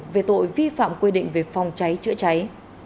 về tội vi phạm quy định về phòng cháy chữa cháy